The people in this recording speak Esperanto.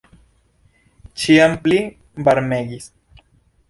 Ĉiam pli varmegis.